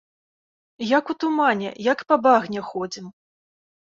Як у тумане, як па багне ходзім.